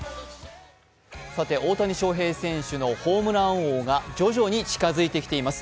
さて、大谷翔平選手のホームラン王が徐々に近づいてきています。